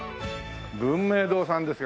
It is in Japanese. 文明堂さんですか。